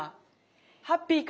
ハッピーか？